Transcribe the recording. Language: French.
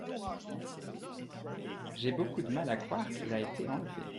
J'ai beaucoup de mal à coire qu'il a été enlevé.